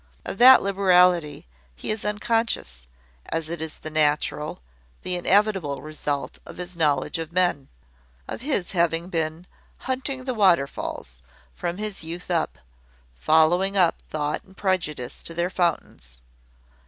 Of that liberality he is unconscious: as it is the natural, the inevitable result of his knowledge of men, of his having been `hunting the waterfalls' from his youth up, following up thought and prejudice to their fountains.